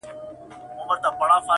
• نعمتونه وه پرېمانه هر څه ښه وه ,